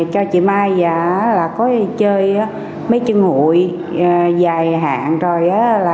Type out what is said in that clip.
cho chị mai là có chơi mấy chương hội dài hạn rồi